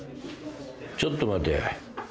ちょっと待て。